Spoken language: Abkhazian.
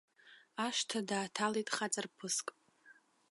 Ашҭа дааҭалеит хаҵарԥыск.